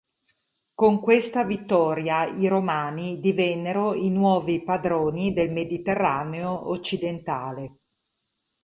Con questa vittoria, i romani divennero i nuovi padroni del Mediterraneo occidentale.